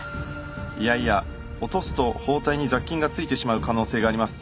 いやいや落とすと包帯に雑菌が付いてしまう可能性があります。